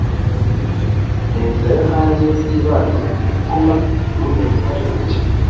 Ninzira yo hanze yibanda kukuba impungenge kuri buri kintu